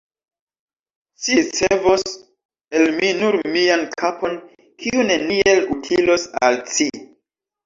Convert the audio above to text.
Ci ricevos el mi nur mian kapon, kiu neniel utilos al ci.